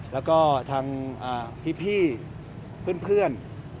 และก็ทางพี่พี่เพื่อน